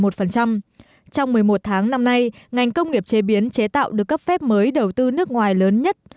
trong một mươi một tháng năm nay ngành công nghiệp chế biến chế tạo được cấp phép mới đầu tư nước ngoài lớn nhất